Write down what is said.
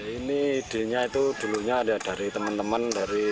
ini ide nya itu dulunya dari teman teman